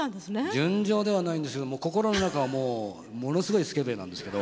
純情ではないんですけど心の中はもうものすごいスケベなんですけど。